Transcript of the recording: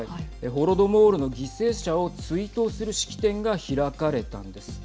ホロドモールの犠牲者を追悼する式典が開かれたんです。